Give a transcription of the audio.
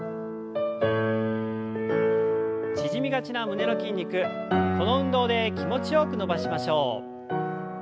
縮みがちな胸の筋肉この運動で気持ちよく伸ばしましょう。